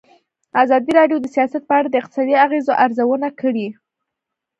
ازادي راډیو د سیاست په اړه د اقتصادي اغېزو ارزونه کړې.